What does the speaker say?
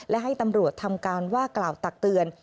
และให้ตำรวจทำการว่ากล่าวตักเตือน